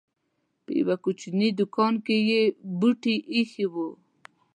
په يوه کوچنۍ دوکان کې یې بوټي اېښي وو.